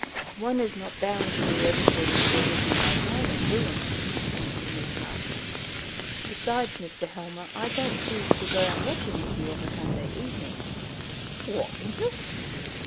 "One is not bound to do everything there would be no harm in doing," answered Miss Marston. "Besides, Mr. Helmer, I don't choose to go out walking with you of a Sunday evening." "Why not?"